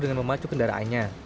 dengan memacu kendaraannya